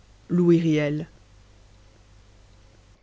Louis RIEL.